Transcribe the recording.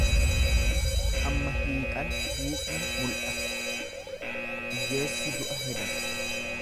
Amma hiiqan hiiqni mula'ata, hiyyeessi du'a hedata.